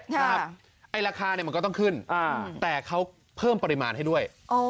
ไอ้ราคาเนี่ยมันก็ต้องขึ้นแต่เขาเพิ่มปริมาณให้ด้วย